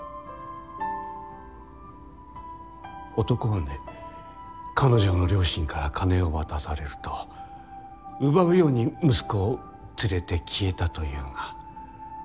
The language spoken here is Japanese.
男はね彼女の両親から金を渡されると奪うように息子を連れて消えたというが。